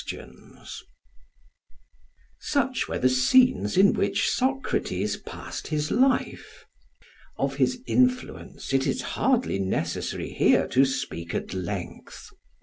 Translated by Jowett] Such were the scenes in which Socrates passed his life. Of his influence it is hardly necessary here to speak at length.